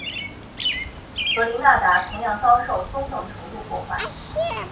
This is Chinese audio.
格林纳达同样遭受中等程度破坏。